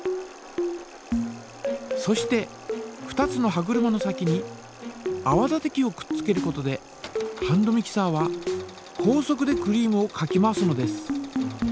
そして２つの歯車の先にあわ立て器をくっつけることでハンドミキサーは高速でクリームをかき回すのです。